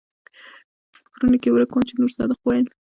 پۀ فکرونو کښې ورک ووم چې نورصادق وويل